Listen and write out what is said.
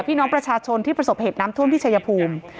พี่น้องประชาชนที่ประสบเหตุน้ำท่วมที่ชายภูมิ